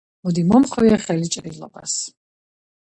მოდი, მომხვიე ხელი ჭრილობას!